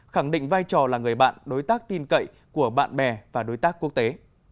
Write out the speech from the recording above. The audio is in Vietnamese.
khẳng định vai trò là người bạn đối tác tin cậy của bạn bè và đối tác quốc tế